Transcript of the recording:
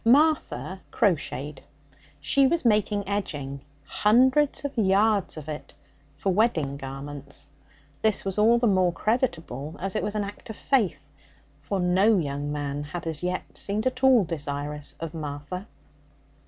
Martha crotcheted. She was making edging, hundreds of yards of it, for wedding garments. This was all the more creditable, as it was an act of faith, for no young man had as yet seemed at all desirous of Martha.